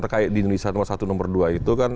terkait di indonesia nomor satu nomor dua itu kan